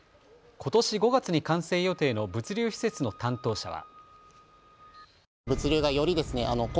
ことし５月に完成予定の物流施設の担当者は。